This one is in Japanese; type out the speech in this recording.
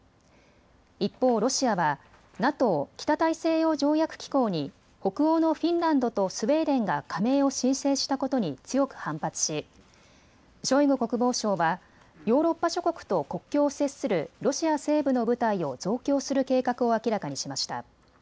一方ロシアはＮＡＴＯ・北大西洋条約機構に北欧のフィンランドとスウェーデンが加盟を申請したことに強く反発しショイグ国防相はヨーロッパ諸国と国境を接するロシア西部の部隊を増強する計画を明らかにしました。